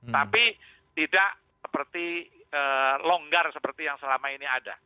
tapi tidak seperti longgar seperti yang selama ini ada